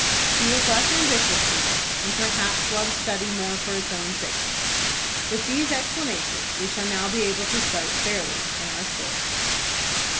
He was less ambitious than Dick, and perhaps loved study more for its own sake. With these explanations we shall now be able to start fairly in our story.